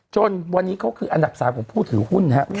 จนวันนี้เขาคืออันดับ๓ของผู้ถือหุ้น